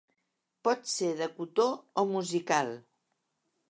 Pot ser de cotó o musical.